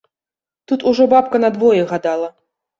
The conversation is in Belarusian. Тут ужо бабка на двое гадала.